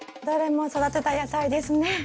どれも育てた野菜ですね。